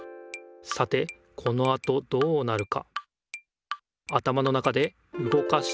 さてこのあとどうなるか？